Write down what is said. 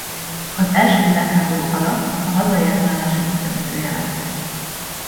Az első világháború alatt a hazai ellenállás egyik vezetője lett.